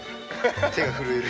手が震える。